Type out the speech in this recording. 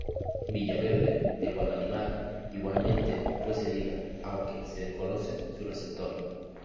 Villaverde de Guadalimar, igualmente, fue cedida, aunque se desconoce su receptor.